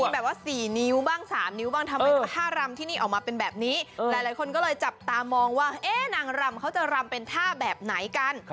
แบบว่า๔นิ้วบ้าง๓นิ้วบ้างทำให้ท่ารำที่นี่ออกมาเป็นแบบนี้หลายคนก็เลยจับตามองว่านางรำเขาจะรำเป็นท่าแบบไหนกัน